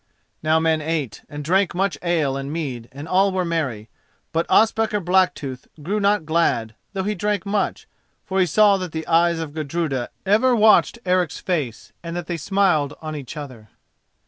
Now men ate, and drank much ale and mead, and all were merry. But Ospakar Blacktooth grew not glad, though he drank much, for he saw that the eyes of Gudruda ever watched Eric's face and that they smiled on each other.